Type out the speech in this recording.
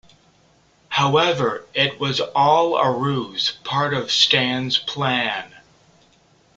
However, it was all a ruse-part of Stan's plan.